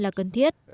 là cần thiết